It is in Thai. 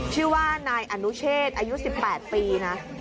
ชื่อว่านายอนุเชษอายุ๑๘ปีนะ